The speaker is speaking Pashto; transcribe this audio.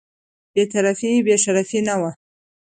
بې طرفي یې بې شرفي نه وه.